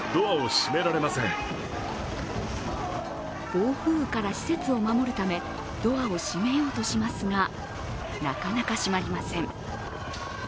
暴風雨から施設を守るため、ドアを閉めようとしますがなかなか閉まりません。